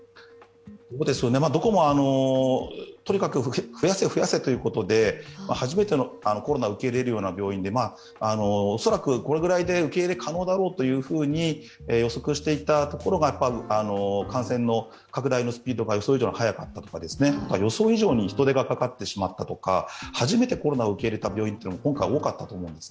どこもとにかく増やせ増やせということで初めてのコロナを受け入れるような病院で、恐らくこれぐらいで受け入れ可能だろうと予測していたところが感染の拡大のスピードが予想以上に速かったとか予想以上に人手がかかってしまったとか初めてコロナを受け入れた病院は今回多かったと思うんです。